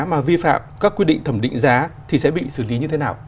mà vi phạm các quy định thẩm định giá thì sẽ bị xử lý như thế nào